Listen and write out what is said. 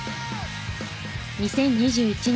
２０２１年